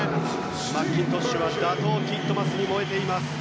マッキントッシュは打倒ティットマスに燃えています。